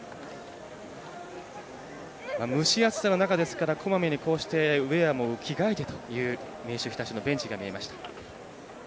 蒸し暑さの中ですから、こまめにウエアも着替えてという明秀日立のベンチが見えました。